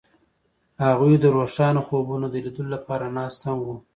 هغوی د روښانه خوبونو د لیدلو لپاره ناست هم وو.